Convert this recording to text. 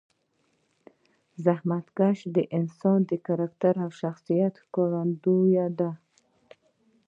زحمتکشي د انسان د کرکټر او شخصیت ښکارندویه ده.